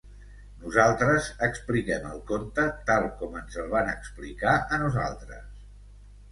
Nosaltres expliquem el conte tal com ens el van explicar a nosaltres.